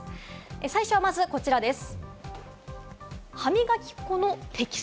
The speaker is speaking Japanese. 最初はまず、こちらです。